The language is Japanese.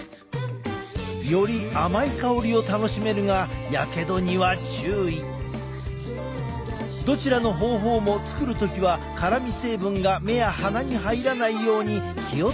より甘い香りを楽しめるがどちらの方法も作る時は辛み成分が目や鼻に入らないように気を付けて。